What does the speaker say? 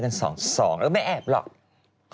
กันสองแล้วไม่แอบหรอก